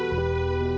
aku mau balik